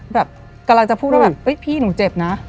แบบกำลังจะพูดว่าแบบเฮ้ยพี่หนูเจ็บนะ